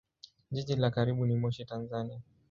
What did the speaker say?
Jiji la karibu ni Moshi, Tanzania.